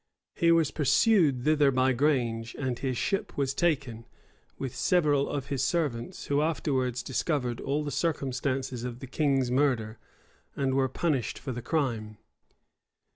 He was pursued thither by Grange, and his ship was taken, with several of his servants; who afterwards discovered all the circumstances of the king's murder, and were punished for the crime.